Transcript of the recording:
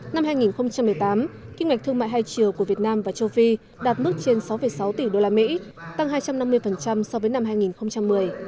năm hai nghìn một mươi tám kinh mạch thương mại hai triều của việt nam và châu phi đạt mức trên sáu sáu tỷ usd tăng hai trăm năm mươi so với năm hai nghìn một mươi